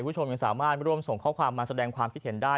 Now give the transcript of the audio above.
คุณผู้ชมยังสามารถร่วมส่งข้อความมาแสดงความคิดเห็นได้